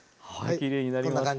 きれいになりました。